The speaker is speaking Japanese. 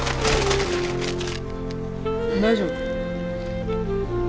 大丈夫？